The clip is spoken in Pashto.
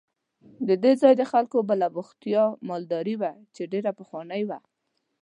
د دې ځای د خلکو بله بوختیا مالداري وه چې ډېره پخوانۍ وه.